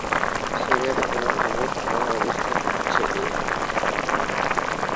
শেরেবাংলা নগর থানার অবস্থান হচ্ছে -এ।